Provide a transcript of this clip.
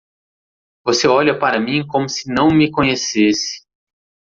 Você olha para mim como se não me conhecesse.